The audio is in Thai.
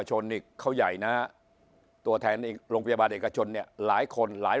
ชนนี่เขาใหญ่นะตัวแทนอีกโรงพยาบาลเอกชนเนี่ยหลายคนหลาย